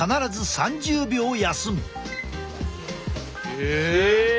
へえ。